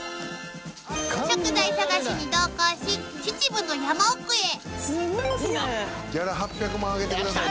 ［食材探しに同行し秩父の山奥へ］